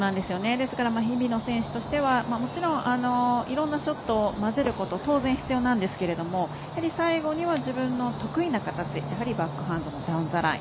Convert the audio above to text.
ですから日比野選手としてはもちろん、いろんなショットを交ぜること当然、必要なんですけど最後には自分の得意な形バックハンドのダウンザライン。